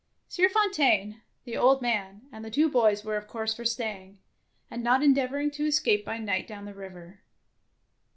Sieur Fontaine, the old man, and the two boys were of course for staying, and not endeavouring to escape by night down the river.